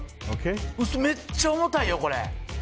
めっちゃ重たいよ、これ。